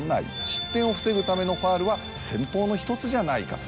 失点を防ぐためのファウルは戦法の１つじゃないか。